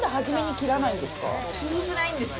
これ、切りづらいんですよ。